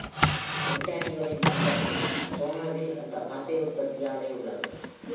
ஒன்ராறியோவின் லண்டனில் சோமர்வில் என்ற பசை உற்பத்தி ஆலை உள்ளது.